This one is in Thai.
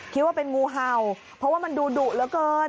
คิดว่าเป็นงูเห่าเพราะว่ามันดูดุเหลือเกิน